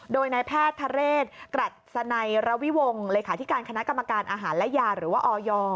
โดยนายแพทย์ทะเลสกระดสนัยระวิวงหรือว่าอย